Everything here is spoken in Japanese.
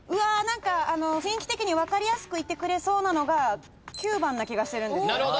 雰囲気的に分かりやすくいってくれそうなのが９番な気がしてるんです。